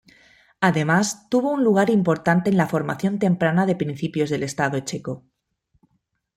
Además tuvo un lugar importante en la formación temprana de principios del estado checo.